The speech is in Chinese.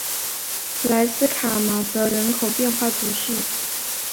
莱斯卡马泽人口变化图示